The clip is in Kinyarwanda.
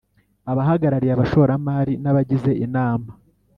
abahagarariye abashoramari n abagize inama